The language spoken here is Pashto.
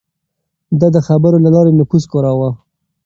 ده د خبرو له لارې نفوذ کاراوه.